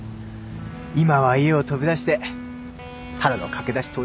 今は家を飛び出してただの駆け出し投資家だよ